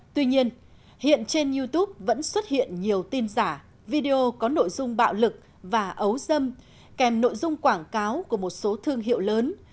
tuy nhiên hiện trên youtube vẫn xuất hiện nhiều tin giả video có nội dung bạo lực và ấu dâm kèm nội dung quảng cáo của một số thương hiệu lớn